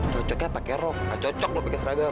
cocoknya pake rock ga cocok lu pake seragam